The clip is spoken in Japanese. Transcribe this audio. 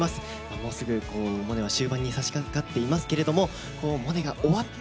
もうすぐ「モネ」は終盤にさしかかっていますけれども「モネ」が終わった